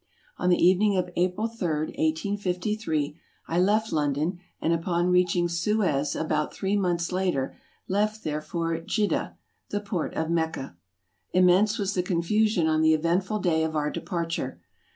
On the evening of April 3, 1853, I left London and upon reaching Suez about three months later left there for Djidda, the port of Mecca. Immense was the confusion on the event ful day of our departure.